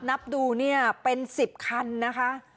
นับดูเนี่ยเป็น๑๐คันนะคะ